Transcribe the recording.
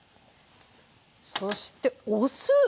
そしてお酢⁉はい。